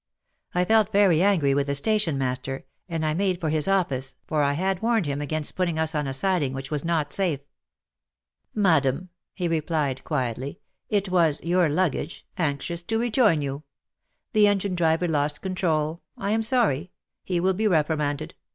I felt very angry with the station master, and I made for his office, for I had warned him against putting us on a siding which was not safe. "Madam," he replied quietly, "it was your luggage — anxious to rejoin you. The engine driver lost control — I am sorry ; he will be reprimanded.